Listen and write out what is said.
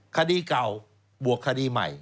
คดีเก่าบวกคดีใหม่